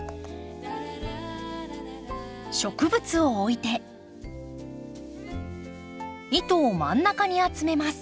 植物を置いて糸を真ん中に集めます。